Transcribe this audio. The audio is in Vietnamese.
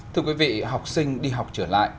thưa quý vị học sinh đi học trở lại